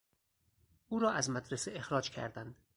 او را از مدرسه اخراج کردند.